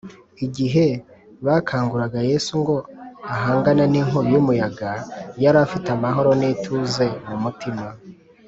igihe bakanguraga yesu ngo ahangane n’inkubi y’umuyaga, yari afite amahoro n’ituze mu mutima